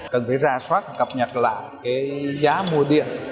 cần phải ra soát cập nhật lại cái giá mua điện